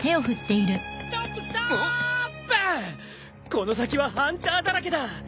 この先はハンターだらけだ！